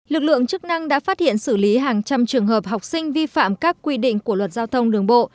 lực lượng chức năng đã phát hiện xử lý hàng trăm trường hợp học sinh vi phạm các quy định của luật giao thông đường bộ